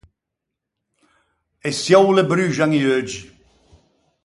E çioule bruxan i euggi.